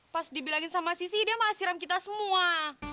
pas dibilangin sama sisi dia malah siram kita semua